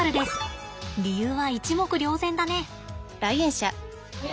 理由は一目瞭然だね。